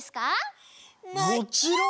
もちろん！